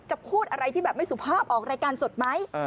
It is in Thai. พูดอะไรที่แบบไม่สุภาพออกรายการสดไหม